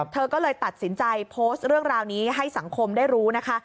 เธอก็เลยตัดสินใจโพสต์เรื่องราวนี้ให้สังคมได้รู้นะคะ